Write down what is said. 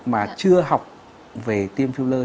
mà chưa học về tiêm filler